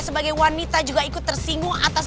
sekiranya kamu mau c regrets